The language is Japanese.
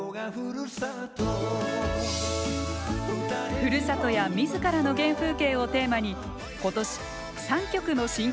ふるさとや自らの原風景をテーマに今年３曲の新曲を発表しました。